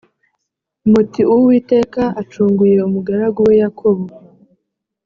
muti uwiteka acunguye umugaragu we yakobo